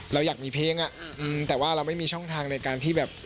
เราอยากมีเพลงอ่ะแต่ว่าเราไม่มีช่องทางในการที่แบบ